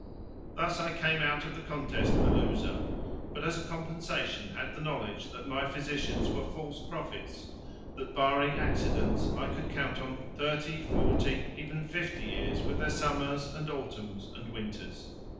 Thus I came out of the contest a loser, but as a compensation had the knowledge that my physicians were false prophets; that, barring accidents, I could count on thirty, forty, even fifty years with their summers and autumns and winters.